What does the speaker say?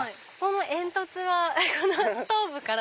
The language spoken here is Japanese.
煙突はこのストーブから？